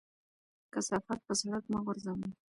کثافات په سړک مه غورځوئ.